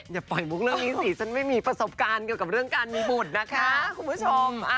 อย่าปล่อยมุกเรื่องนี้สิฉันไม่มีประสบการณ์เกี่ยวกับเรื่องการมีบุตรนะคะคุณผู้ชม